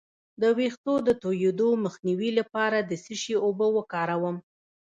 د ویښتو د تویدو مخنیوي لپاره د څه شي اوبه وکاروم؟